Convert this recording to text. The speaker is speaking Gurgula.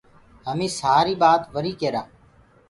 همي سآري بآت وري ڪيرآ۔